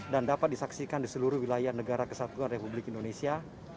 dan dapat disaksikan di seluruh wilayah negara kesatuan republik indonesia